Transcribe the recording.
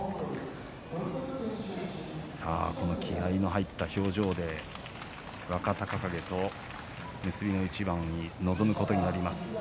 この気合いの入った表情で若隆景と結びの一番に臨むことになります。